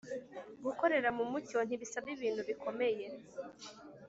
Gukorera mu mucyo ntibisaba ibintu bikomeye.